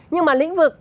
nhưng mà lĩnh vực